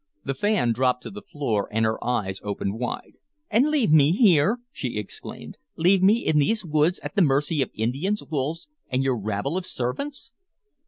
The fan dropped to the floor, and her eyes opened wide. "And leave me here!" she exclaimed. "Leave me in these woods, at the mercy of Indians, wolves, and your rabble of servants!"